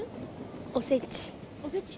おせち。